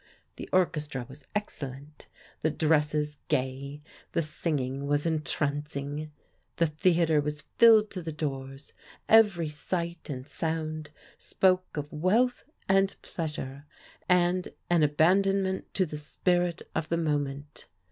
The orchestra was excellent, the dresses gay, the singing was entrancing. The theatre was filled to the doors; every sight and sound spoke of wealth and pleasure, and an abandonment to the spirit of the moment.